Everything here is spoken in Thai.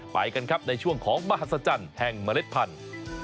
ไปกันครับในช่วงของมหัศจรรย์แห่งเมล็ดพันธุ์